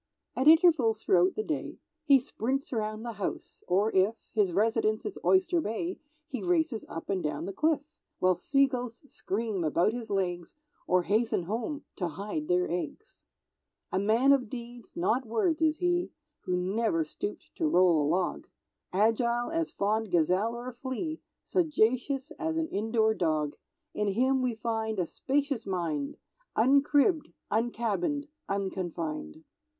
At intervals throughout the day He sprints around the house, or if His residence is Oyster Bay, He races up and down the cliff; While seagulls scream about his legs, Or hasten home to hide their eggs. [Illustration: "At six A. M. he shoots a bear."] A man of deeds, not words, is he, Who never stooped to roll a log; Agile as fond gazelle or flea, Sagacious as an indoor dog; In him we find a spacious mind, "Uncribb'd, uncabin'd, unconfin'd."